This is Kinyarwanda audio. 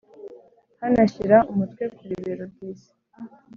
hano ashyira umutwe ku bibero byisi